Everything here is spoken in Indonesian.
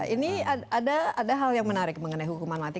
ini ada hal yang menarik mengenai hukuman mati